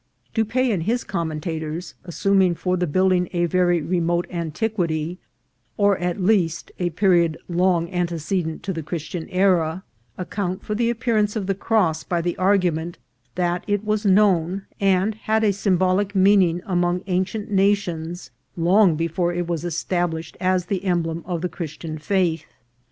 Dupaix and his commentators, assuming for the build ing a very remote antiquity, or, at least, a period long antecedent to the Christian era, account for the appear ance of the cross by the argument that it was known and had a symbolical meaning among ancient nations long before it was established as the emblem of the Christian faith.